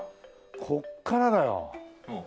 ここからだよ。